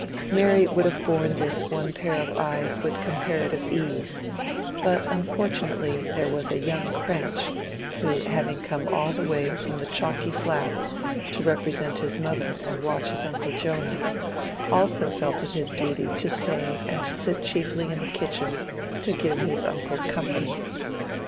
Mary would have borne this one pair of eyes with comparative ease, but unfortunately there was young Cranch, who, having come all the way from the Chalky Flats to represent his mother and watch his uncle Jonah, also felt it his duty to stay and to sit chiefly in the kitchen to give his uncle company.